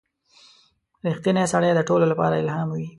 • رښتینی سړی د ټولو لپاره الهام وي.